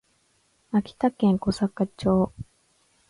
秋田県小坂町